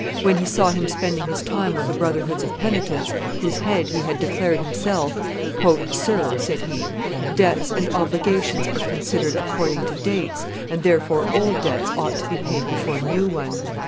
When he saw him spending his time with the brotherhoods of penitents whose head he had declared himself, "Sir," said he, "debts and obligations are considered according to dates, and therefore old debts ought to be paid before new ones.